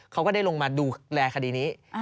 เขาก็ได้ลงมาดูแลคดีนี้